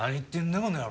この野郎。